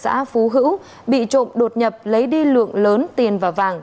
xã phú hữu bị trộm đột nhập lấy đi lượng lớn tiền và vàng